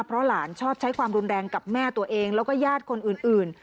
เพราะหลานชอบใช้ความรุนแรงกับแม่ตัวเองแล้วก็ญาติคนอื่น